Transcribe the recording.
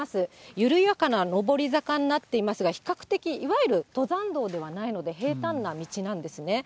緩やかな上り坂になっていますが、比較的、いわゆる登山道ではないので、平たんな道なんですね。